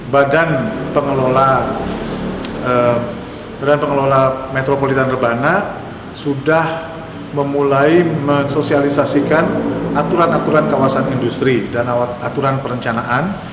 badan pengelola badan pengelola metropolitan rebana sudah memulai mensosialisasikan aturan aturan kawasan industri dan aturan perencanaan